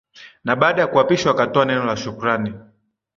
na baada ya kuapishwa akatoa neno la shukrani